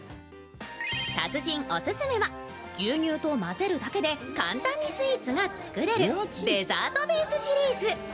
牛乳と混ぜるだけで簡単にスイーツが作れるデザートベースシリーズ。